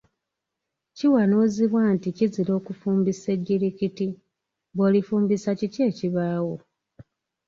Kiwanuuzibwa nti kizira okufumbisa ejjirikiti, bw'olifumbisa kiki ekibaawo?